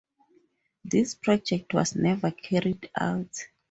This project was never carried out.